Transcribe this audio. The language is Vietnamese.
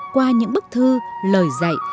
qua những bức thư lời dạy